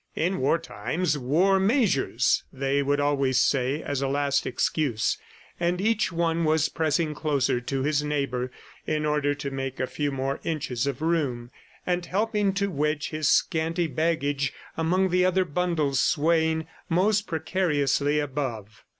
"In war times, war measures," they would always say as a last excuse. And each one was pressing closer to his neighbor in order to make a few more inches of room, and helping to wedge his scanty baggage among the other bundles swaying most precariously above.